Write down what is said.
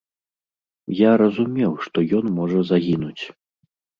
Я разумеў, што ён можа загінуць.